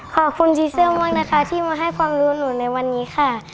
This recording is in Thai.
ขอบคุณสีเสื้อมากนะคะที่มาให้ความรู้หนูในวันนี้ค่ะ